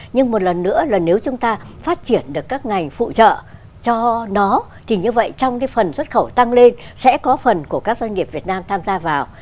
nhưng một lần nữa là nếu chúng ta phát triển được các ngành phụ trợ cho nó thì như vậy trong cái phần xuất khẩu tăng lên sẽ có phần của các doanh nghiệp việt nam tham gia vào